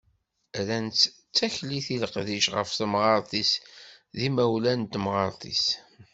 Rran-tt d taklit i leqdic ɣef temɣart-is d yimawlan n temɣart-is.